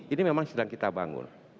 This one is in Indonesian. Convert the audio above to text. ini memang sedang kita bangun